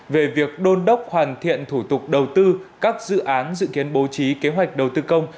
về việc đôn đốc hoàn thiện thủ tục đầu tư các dự án dự kiến bố trí kế hoạch đầu tư công